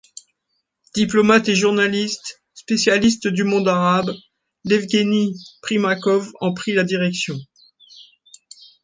Diplomate et journaliste, spécialiste du monde arabe, Ievgueni Primakov en prit la direction.